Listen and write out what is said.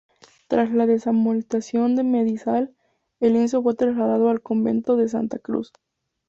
Tras la desamortización de Mendizábal, el lienzo fue trasladado al convento de Santa Cruz.